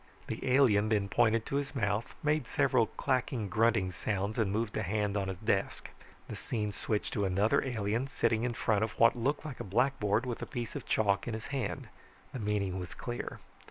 The alien then pointed to his mouth, made several clacking grunting sounds, and moved a hand on his desk. The scene switched to another alien standing in front of what looked like a blackboard, with a piece of chalk in his hand. The meaning was clear.